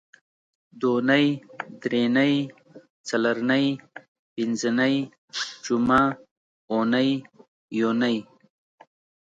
دونۍ درېنۍ څلرنۍ پینځنۍ جمعه اونۍ یونۍ